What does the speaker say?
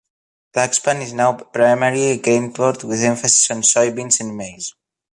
Tuxpan is now primarily a grain port, with emphasis on soybeans and maize.